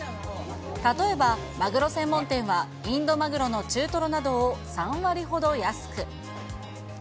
例えばマグロ専門店は、インドマグロの中トロなどを３割ほど安く。